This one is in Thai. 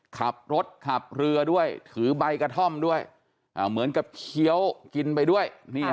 ขับรถขับเรือด้วยถือใบกระท่อมด้วยเหมือนกับเคี้ยวกินไปด้วย